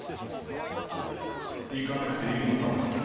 行かなくていいのか？